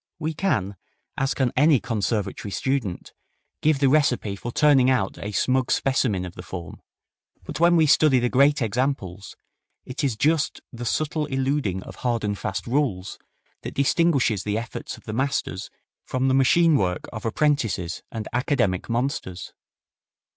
We can, as can any conservatory student, give the recipe for turning out a smug specimen of the form, but when we study the great examples, it is just the subtle eluding of hard and fast rules that distinguishes the efforts of the masters from the machine work of apprentices and academic monsters.